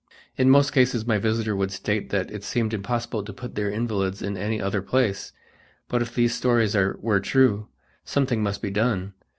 In most cases my visitor would state that it seemed impossible to put their invalids in any other place, but if these stories were true, something must be done.